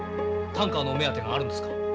タンカーのお目当てがあるんですか？